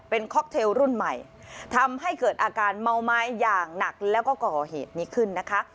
เป็นค็อกเทลรุ่นใหม่ทำให้เกิดอาการเมาไม้อย่างหนักแล้วก็ก่อเหตุนี้ขึ้นนะคะ